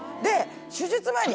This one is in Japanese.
手術前に。